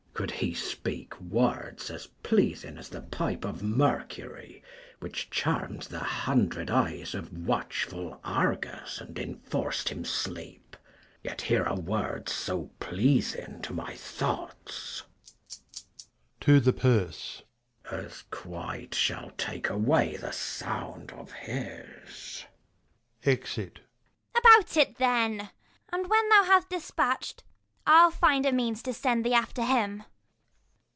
Mess. Could he speak words as pleasing as the pipe Of Mercury, which charm'd the hundred eyes Of watchful Argus, and enforc'd him sleep : 55 Yet here are words so pleasing to my thoughts, [To the purse. As quite shall take away the sound of his. [Exit. Ragan. About it then, and when thou hast dispatch'd, I'll find a means to send thee after him.